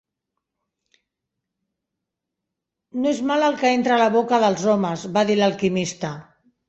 "No és mal el que entra a la boca dels homes", va dir l'alquimista.